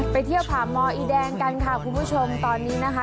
ไปเที่ยวผ่าหมออีแดงกันค่ะคุณผู้ชมตอนนี้นะคะ